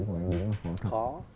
của anh cũng khó